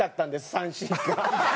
三振が。